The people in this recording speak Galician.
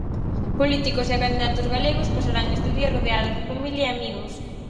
Políticos e candidatos galegos pasarán este día rodeados de familia e amigos.